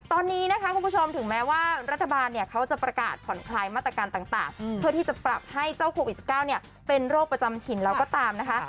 ตอนนี้นะคะคุณผู้ชมถึงแม้ว่ารัฐบาลเนี่ยเขาจะประกาศผ่อนคลายมาตรการต่างเพื่อที่จะปรับให้เจ้าโควิด๑๙เป็นโรคประจำถิ่นแล้วก็ตามนะคะ